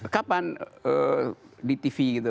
kapan di tv gitu